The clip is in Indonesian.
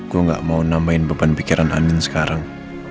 gue gak mau nambahin beban pikiran amin sekarang